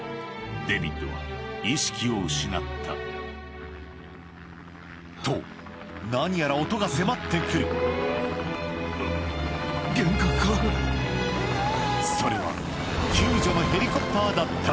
デビッドは意識を失ったと何やら音が迫って来るそれは救助のヘリコプターだった！